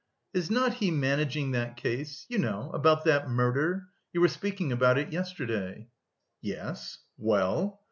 "Is not he managing that case... you know, about that murder?... You were speaking about it yesterday." "Yes... well?"